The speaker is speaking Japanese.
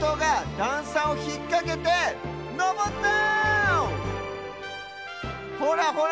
だんさをひっかけてのぼってる！